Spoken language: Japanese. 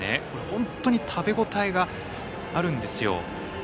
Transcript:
本当に食べ応えがあるんですよ。